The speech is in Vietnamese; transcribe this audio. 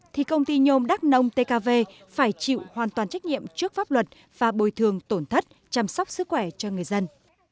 thì công ty nhôm đắk nông tkv phải chịu hoàn toàn trách nhiệm trước pháp luật và bồi thường tổn thất chăm sóc sức khỏe cho người dân